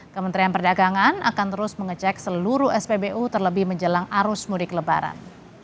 kementerian perdagangan akan terus mengecek seluruh spbu terlebih menjelang arus mudik lebaran